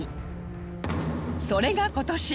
それが今年！